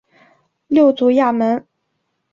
六足亚门。